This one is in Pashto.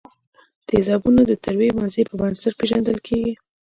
تیزابونه د تروې مزې په بنسټ پیژندل کیږي.